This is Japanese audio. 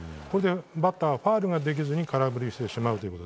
バッターはファウルができずに空振りしてしまうと。